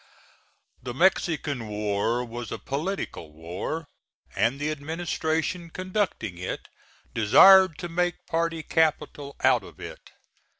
The Mexican war was a political war, and the administration conducting it desired to make party capital out of it.